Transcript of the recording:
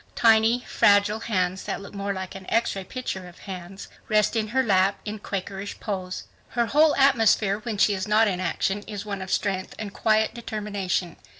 Tiny, fragile hands that look more like an X ray picture of hands, rest in her lap in Quakerish pose. Her whole atmosphere when she is not in action is one of strength and quiet determination.